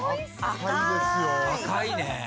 赤いね。